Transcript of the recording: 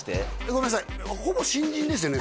ごめんなさいほぼ新人ですよね？